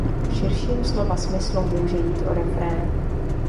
V širším slova smyslu může jít o refrén.